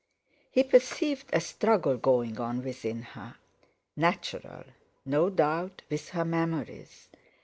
He perceived a struggle going on within her; natural, no doubt, with her memories.